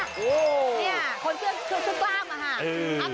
เนี่ยคนเชื่อกล้ามอะค่ะ